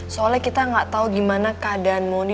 soalnya kita gak tau gimana keadaan mondi